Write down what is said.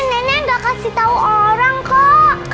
nenek nggak kasih tau orang kok